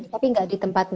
tapi gak di tempat